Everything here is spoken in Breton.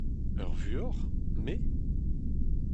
Ur vuoc'h, me ?